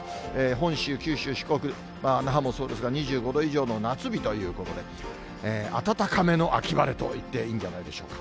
本州、九州、四国、那覇もそうですが、２５度以上の夏日ということで、暖かめの秋晴れといっていいんじゃないでしょうか。